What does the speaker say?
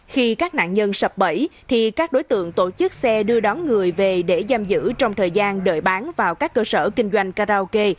khi các nạn nhân sập bẫy thì các đối tượng tổ chức xe đưa đón người về để giam giữ trong thời gian đợi bán vào các cơ sở kinh doanh karaoke